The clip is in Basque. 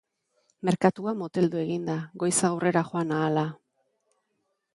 Merkatua moteldu egin da, goiza aurrera joan ahala.